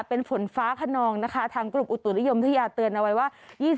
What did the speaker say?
เป็นฝนฟ้าขนองนะคะทางกรมอุตุนิยมทยาเตือนเอาไว้ว่า